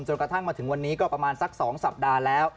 จนกระทั่งมาถึงวันนี้ก็สัก๒สัปดาห์แล้ว